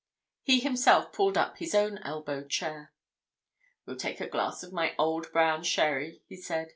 He himself pulled up his own elbow chair. "We'll take a glass of my old brown sherry," he said.